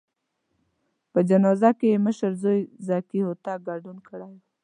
په جنازه کې یې مشر زوی ذکي هوتک ګډون کړی و.